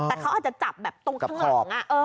แต่เขาอาจจะจับแบบตรงข้างหลัง